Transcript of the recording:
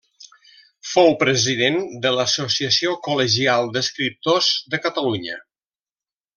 Fou president de l'Associació Col·legial d'Escriptors de Catalunya.